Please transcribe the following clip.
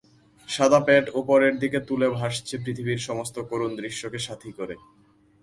সাদা পেট ওপরের দিকে তুলে ভাসছে পৃথিবীর সমস্ত করুণ দৃশ্যকে সাথি করে।